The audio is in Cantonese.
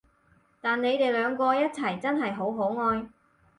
但你哋兩個一齊真係好可愛